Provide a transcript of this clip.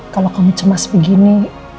kalau kamu cemas begini